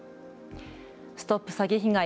ＳＴＯＰ詐欺被害！